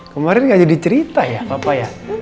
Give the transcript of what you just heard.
kemarin gak jadi cerita ya papa ya